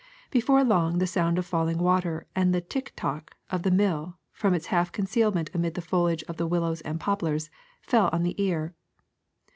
Before long the sound of falling water and the tick tack of the mill, from its half concealment amid the foliage of willows and poplars, fell on the ear.